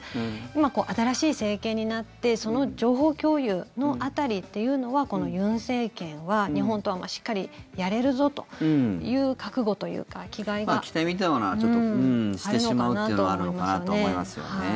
今、新しい政権になってその情報共有の辺りというのはこの尹政権は日本とはしっかりやれるぞという覚悟というか気概があるのかなとは思いますね。